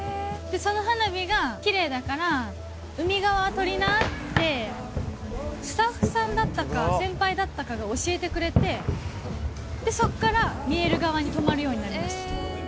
その花火がきれいだから、海側取りなって、スタッフさんだったか、先輩だったかが教えてくれて、そこから、見える側に泊まるようになりました。